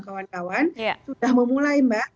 kawan kawan sudah memulai mbak